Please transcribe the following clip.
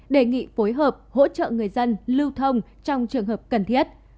đề nghị phối hợp hỗ trợ người dân lưu thông trong trường hợp cần thiết